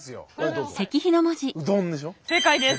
正解です。